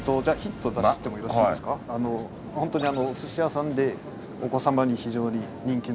ホントにおすし屋さんでお子さまに非常に人気の。